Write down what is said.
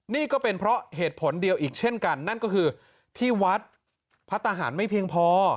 นี่ก็เป็นเพราะเหตุผลเดียวอีกเช่นกันนั่นก็คือที่วัดพระทหารไม่เพียงพอ